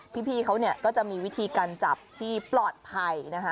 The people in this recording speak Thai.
พี่เขาเนี่ยก็จะมีวิธีการจับที่ปลอดภัยนะคะ